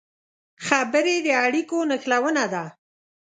خبرې د اړیکو نښلونه ده